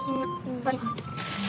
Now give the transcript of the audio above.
はい。